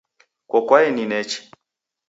Koko aeni nechi?